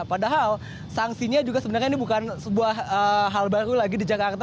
padahal sanksinya juga sebenarnya ini bukan sebuah hal baru lagi di jakarta